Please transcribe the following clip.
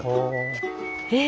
えっ。